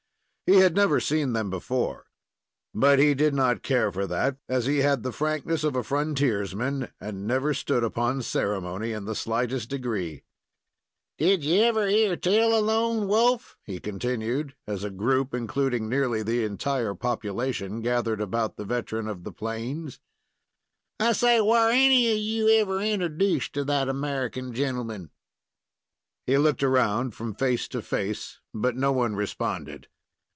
He had never seen them before; but he did not care for that, as he had the frankness of a frontiersman and never stood upon ceremony in the slightest degree. "Did you ever hear tell of Lone Wolf?" he continued, as a group, including nearly the entire population, gathered about the veteran of the plains. "I say, war any of you ever introduced to that American gentleman?" He looked around, from face to face, but no one responded.